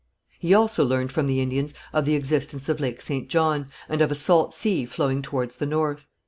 He also learned from the Indians of the existence of Lake St. John, and of a salt sea flowing towards the north.